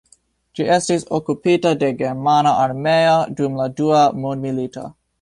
Ĝi estis okupita de Germana armeo dum la Dua mondmilito.